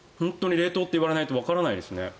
冷凍って言われないとわからないですね。